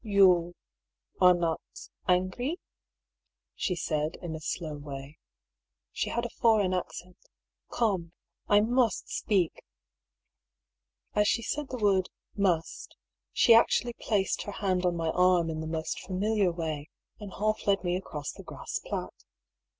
" You are not — angry ?" she said in a slow way ; she had a foreign accent. " Come, I must speak." As she said the word ^^must," she actually placed her hand on my arm in the most familiar way, and half led me across the grass plat.